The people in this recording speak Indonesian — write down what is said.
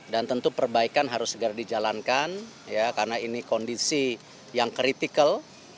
dan tentu perbaikan harus segera dijalankan karena ini kondisi yang kritikal